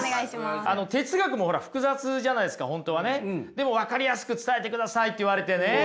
でも分かりやすく伝えてくださいって言われてね。